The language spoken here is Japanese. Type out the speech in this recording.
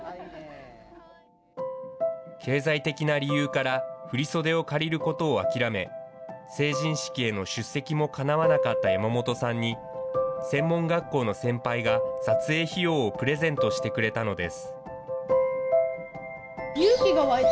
経済的な理由から振り袖を借りることを諦め、成人式への出席もかなわなかった山本さんに、専門学校の先輩が撮影費用をプレゼントしてくれたのです。